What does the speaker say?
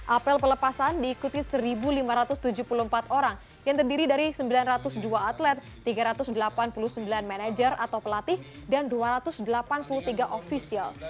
apel pelepasan diikuti satu lima ratus tujuh puluh empat orang yang terdiri dari sembilan ratus dua atlet tiga ratus delapan puluh sembilan manajer atau pelatih dan dua ratus delapan puluh tiga ofisial